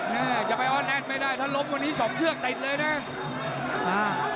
แน่จะไปอ้อนแนทไม่ได้ถ้าลบวันนี้สองเครื่องติดเลยเนี่ย